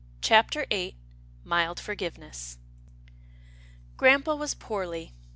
CHAPTER VIII MILD FORGIVENESS Gram PA was poorly.